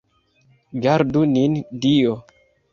Gardu nin Dio!